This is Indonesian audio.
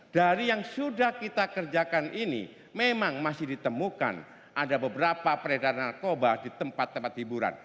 dari yang sudah kita kerjakan ini memang masih ditemukan ada beberapa peredaran narkoba di tempat tempat hiburan